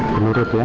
penuh ratu ya